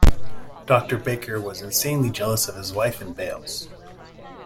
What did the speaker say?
Doctor Baker was insanely jealous of his wife and Bales.